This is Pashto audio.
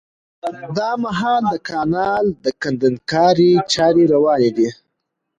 دا مهال د کانال د کندنکارۍ چاري رواني دي